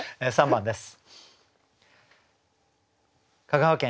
３番です。